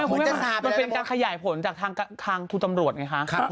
มันมีแผ่นจะขยายของทางทุททธรรมรวชนะคะ